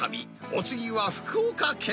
お次は福岡県。